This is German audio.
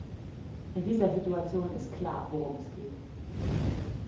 In dieser Situation ist klar, worum es geht.